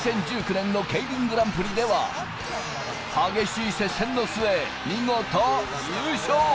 ２０１９年のＫＥＩＲＩＮグランプリでは、激しい接戦の末、見事優勝！